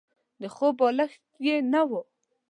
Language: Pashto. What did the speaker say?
د خوب بالښت يې نه وو.